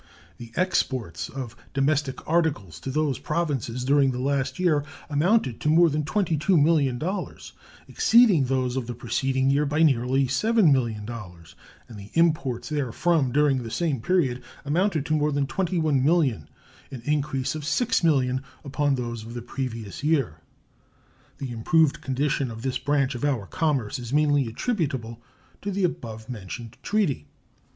The exports of domestic articles to those Provinces during the last year amounted to more than $22,000,000, exceeding those of the preceding year by nearly $7,000,000; and the imports therefrom during the same period amounted to more than twenty one million, an increase of six million upon those of the previous year. The improved condition of this branch of our commerce is mainly attributable to the above mentioned treaty.